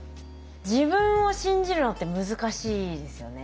自分を信じるのって難しいですよね。